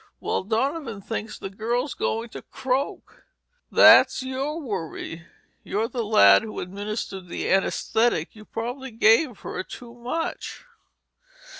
"Well, Donovan thinks the girl's goin' to croak." "That's your worry. You're the lad who administered the anesthetic. You probably gave her too much."